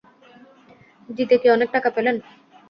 জিতে কি অনেক টাকা পেলেন?